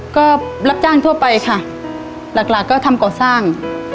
ก็รับจ้างทั่วไปค่ะหลักหลักก็ทำก่อสร้าง